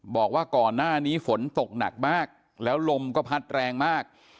บอกว่าก่อนหน้านี้ฝนตกหนักมากแล้วลมก็พัดแรงมาก